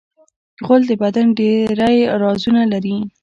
غول د بدن ډېری رازونه لري.